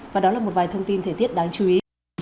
và đó là một vài thông tin thời tiết đáng chú ý